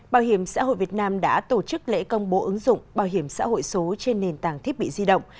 bảo hiểm xã hội việt nam đã tổ chức lễ công bố ứng dụng bảo hiểm xã hội số trên nền tảng thiết bị di động